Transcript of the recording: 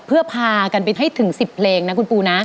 เพื่อพากันไปให้ถึง๑๐เพลงนะคุณปูนะ